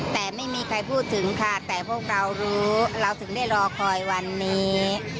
แต่ไม่มีใครพูดถึงค่ะแต่พวกเรารู้เราถึงได้รอคอยวันนี้